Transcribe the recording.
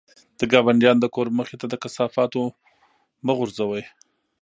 د ګاونډیانو د کور مخې ته د کثافاتو مه غورځوئ.